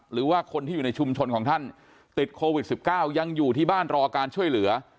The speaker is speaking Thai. หรือว่าคนที่อยู่ในชุมชนของท่านติดโควิด๑๙ยังอยู่ที่บ้านรอการช่วยเหลือ